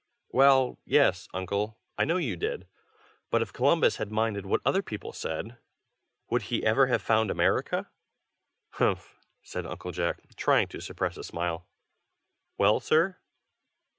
"Well, yes, Uncle, I know you did. But if Columbus had minded what other people said, would he ever have found America?" "Humph!" said Uncle Jack, trying to suppress a smile. "Well, sir?"